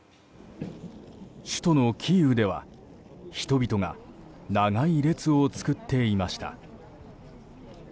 首都のキーウでは人々が長い列を作っていました。